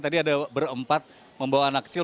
tadi ada berempat membawa anak kecil